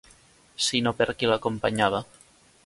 ...sinó per qui l'acompanyava.